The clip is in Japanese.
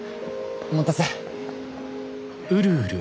お待たせ。